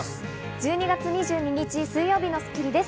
１２月２２日、水曜日の『スッキリ』です。